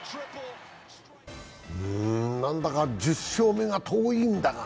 何だか１０勝目が遠いんだが。